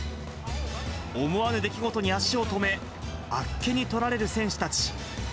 思わぬ出来事に足を止め、あっけにとられる選手たち。